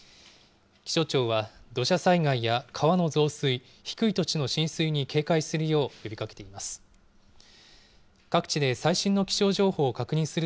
気象庁は、土砂災害や川の増水、低い土地の浸水に警戒するよう呼びかけています。